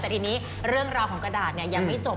แต่ทีนี้เรื่องราวของกระดาษยังไม่จบ